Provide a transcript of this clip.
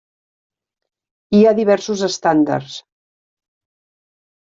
Hi ha diversos estàndards.